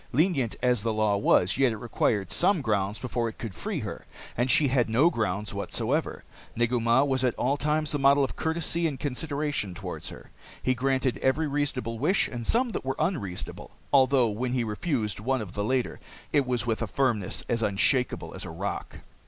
Lenient as the law was, yet it required some grounds before it could free her. And she had no grounds whatever. Negu Mah was at all times the model of courtesy and consideration toward her. He granted every reasonable wish and some that were unreasonable although when he refused one of the latter, it was with a firmness as unshakeable as a rock.